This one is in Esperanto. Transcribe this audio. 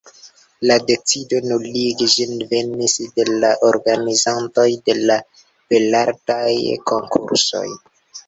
La decido nuligi ĝin venis de la organizantoj de la Belartaj Konkursoj.